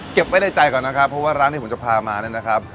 เก็บไว้ในใจก่อนนะครับเพราะว่าร้านที่ผมจะพามาเนี่ยนะครับ